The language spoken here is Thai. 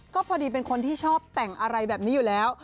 ก็พอดีเป็นคนที่ชอบแต่งอะไรแบบนี้อยู่แล้ว